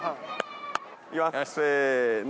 せの。